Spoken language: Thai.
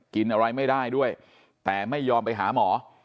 กินอะไรไม่ได้ด้วยแต่ไม่ยอมไปหาหมอ